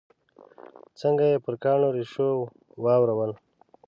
څنګه یې پر کاڼو ریشو واورول.